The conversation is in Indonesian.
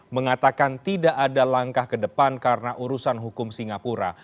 mengatakan tidak ada langkah ke depan karena urusan hukum singapura